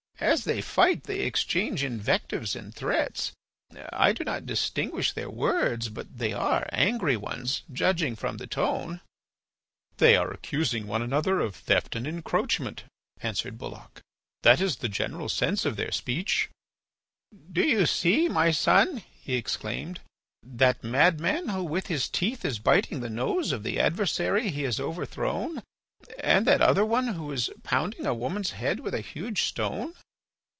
"As they fight they exchange invectives and threats. I do not distinguish their words, but they are angry ones, judging from the tone." "They are accusing one another of theft and encroachment," answered Bulloch. "That is the general sense of their speech." At that moment the holy Maël clasped his hands and sighed deeply. "Do you see, my son," he exclaimed, "that madman who with his teeth is biting the nose of the adversary he has overthrown and that other one who is pounding a woman's head with a huge stone?"